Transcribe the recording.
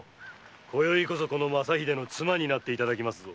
今宵こそこの正秀の妻になっていただきますぞ。